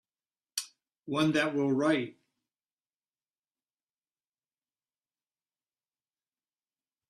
One that will write.